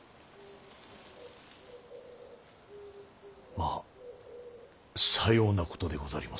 まぁさようなことでございますれば。